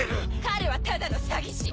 彼はただの詐欺師！